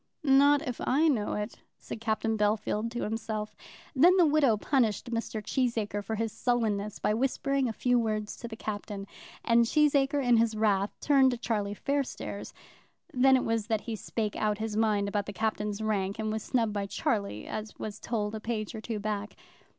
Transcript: "Not if I know it," said Captain Bellfield to himself. Then the widow punished Mr. Cheesacre for his sullenness by whispering a few words to the Captain; and Cheesacre in his wrath turned to Charlie Fairstairs. Then it was that he spake out his mind about the Captain's rank, and was snubbed by Charlie, as was told a page or two back.